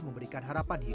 memberikan harapan hidupnya